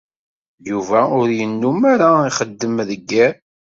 Yuba ur yennum ara ixeddem deg yiḍ.